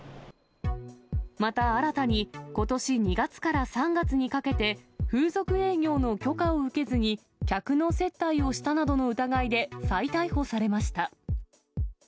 また新たに、ことし２月から３月にかけて、風俗営業の許可を受けずに客の接待をしたなどの疑いで再逮捕されました。